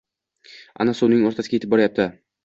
Ana suvning o‘rtasiga yetib boryapti.